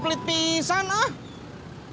sekarang langsung aja curso